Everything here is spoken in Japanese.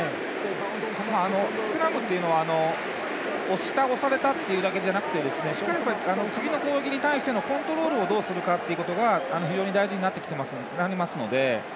スクラムっていうのは押した、押されただけじゃなくてしっかり、次の攻撃に対してのコントロールをどうするかっていうことが非常に大事になりますので。